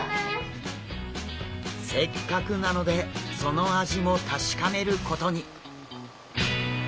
せっかくなのでその味も確かめることに。